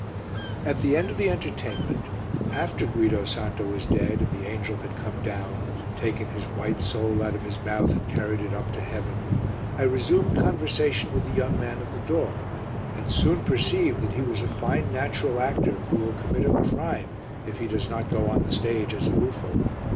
At the end of the entertainment, after Guido Santo was dead and the angel had come down, taken his white soul out of his mouth and carried it up to heaven, I resumed conversation with the young man at the door, and soon perceived that he was a fine natural actor who will commit a crime if he does not go on the stage as a buffo.